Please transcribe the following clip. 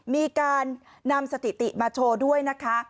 มีการนำสถิติมาโชว์ด้วยนะคะ